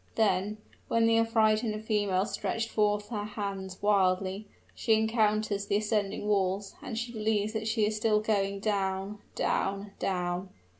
Then, when the affrighted female stretches forth her hands wildly, she encounters the ascending walls, and she believes that she is still going down down down!